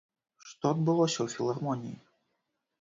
Што адбылося ў філармоніі?